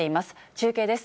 中継です。